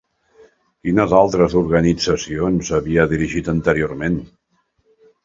Quines altres organitzacions havia dirigit anteriorment?